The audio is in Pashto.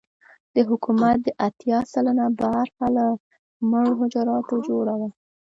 د حکومت دا اتيا سلنه برخه له مړو حجراتو جوړه وه.